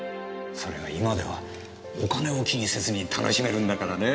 それが今ではお金を気にせずに楽しめるんだからね。